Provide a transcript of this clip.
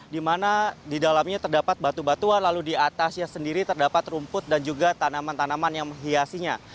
di mana di dalamnya terdapat batu batuan lalu di atasnya sendiri terdapat rumput dan juga tanaman tanaman yang menghiasinya